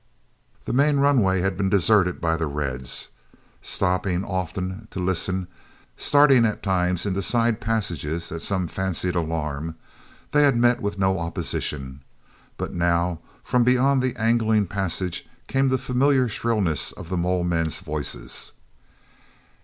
The main runway had been deserted by the Reds. Stopping often to listen, starting at times into side passages at some fancied alarm, they had met with no opposition. But now, from beyond the angling passage, came the familiar shrillness of the mole men's voices.